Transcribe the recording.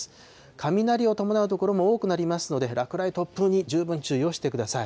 雷を伴う所も多くなりますので、落雷、突風に十分注意をしてください。